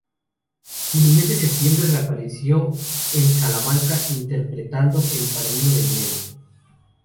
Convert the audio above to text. En el mes de septiembre reapareció en Salamanca interpretando "El Padrino del Nene".